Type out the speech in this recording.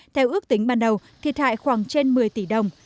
theo ước tính ban đầu thiệt hại khoảng trên một mươi tỷ đồng